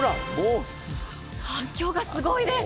反響がすごいです。